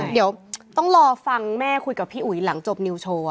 เดี๋ยวต้องรอฟังแม่คุยกับพี่อุ๋ยหลังจบนิวโชว์